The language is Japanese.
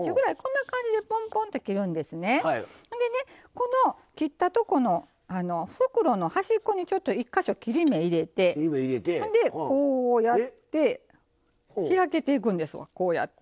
この切ったとこの袋の端っこにちょっと１か所切り目入れてほんでこうやって開けていくんですわこうやって。